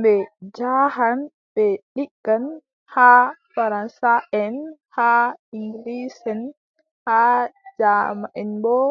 Ɓe njaahan ɓe liggan, haa faransaʼen haa iŋgilisʼen haa jaamanʼen boo .